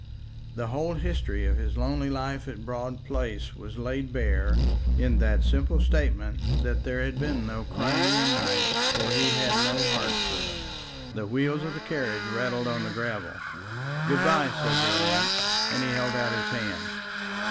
The whole history of his lonely life at Broad Place was laid bare in that simple statement that there had been no Crimean nights for he had no heart for them. The wheels of the carriage rattled on the gravel. "Good bye," said Durrance, and he held out his hand.